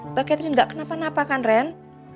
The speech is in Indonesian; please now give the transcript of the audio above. mbak catherine gak kenapa napa kan ren